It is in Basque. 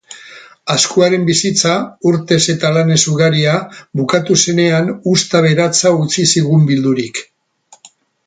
Azkueren bizitza, urtez eta lanez ugaria, bukatu zenean, uzta aberatsa utzi zigun bildurik.